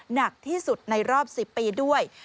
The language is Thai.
หนักที่สุดในรอบ๑๐ปีด้วย